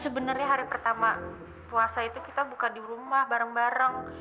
sebenarnya hari pertama puasa itu kita buka di rumah bareng bareng